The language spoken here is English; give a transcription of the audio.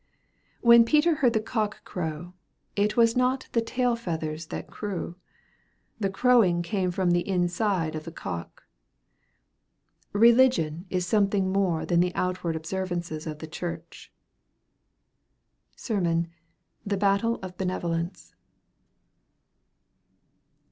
When Peter heard the cock crow, it was not the tail feathers that crew. The crowing came from the inside of the cock. Religion is something more than the outward observances of the church. SERMON: 'The Battle of Benevolence.'